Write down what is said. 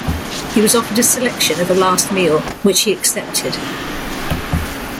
He was offered a selection of a last meal, which he accepted.